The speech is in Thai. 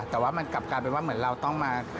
แต่ว่ามันกลับกลายเป็นว่าเหมือนเราต้องมา